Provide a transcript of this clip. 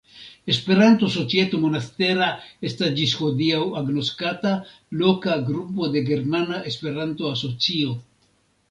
Esperanto-Societo Monastera estas ĝis hodiaŭ agnoskata loka grupo de Germana Esperanto-Asocio.